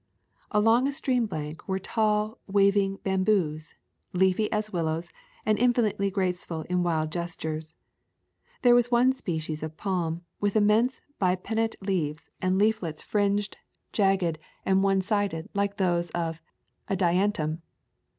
Along a stream bank were tall, waving bam boos, leafy as willows, and infinitely graceful in wind gestures. There was one species of palm, with immense bipinnate leaves and_ leaflets [ 166 ] AA Sojourn in Cuba fringed, jagged, and one sided, like those of Adiantum.